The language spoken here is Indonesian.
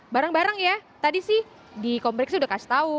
bareng bareng ya tadi sih di kompleks sudah kasih tahu